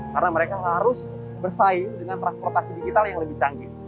karena mereka harus bersaing dengan transportasi digital yang lebih canggih